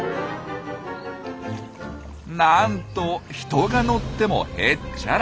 なんと人が乗ってもへっちゃら。